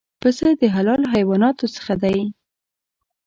پسه د حلال حیواناتو څخه دی.